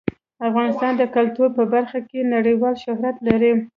افغانستان د کلتور په برخه کې نړیوال شهرت لري.